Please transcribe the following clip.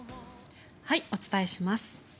お伝えします。